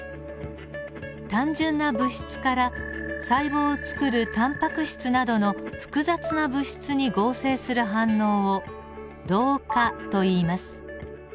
単純な物質から細胞をつくるタンパク質などの複雑な物質に合成する反応を同化といいます。